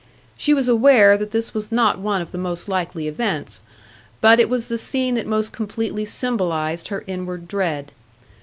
She was aware that this was not one of the most likely events; but it was the scene that most completely symbolised her inward dread.